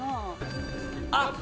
あっ！